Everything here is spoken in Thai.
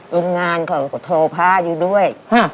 โดยงานเขาก็โทรภาคอยู่ด้วย